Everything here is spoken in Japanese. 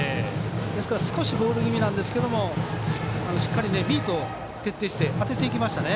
ですから少しボール気味なんですがしっかりミートを徹底して当てていきましたね。